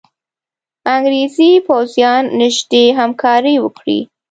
انګرېزي پوځیان نیژدې همکاري وکړي.